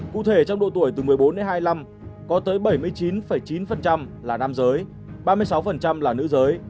cụ thể trong độ tuổi từ một mươi bốn đến hai mươi năm có tới bảy mươi chín chín là nam giới ba mươi sáu là nữ giới